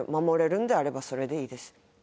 守れるんであればそれでいいです。